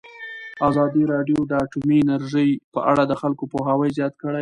ازادي راډیو د اټومي انرژي په اړه د خلکو پوهاوی زیات کړی.